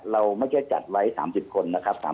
เราไม่ใช่จัดไว้๓๐คนนะครับ